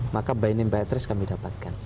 maka buy name buy address kami dapatkan